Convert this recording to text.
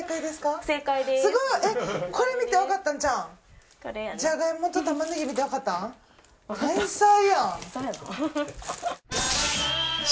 すごい！えっこれ見てわかったんちゃうん？